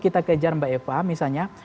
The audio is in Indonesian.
kita kejar mbak eva misalnya